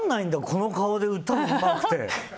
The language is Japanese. この顔で、歌うまくて。